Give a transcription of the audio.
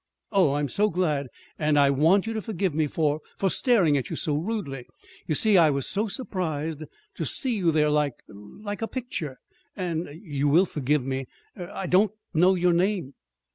"Oh, I'm so glad! And and I want you to forgive me for for staring at you so rudely. You see, I was so surprised to to see you there like like a picture, and You will forgive me er I don't know your name."